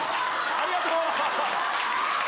ありがとう。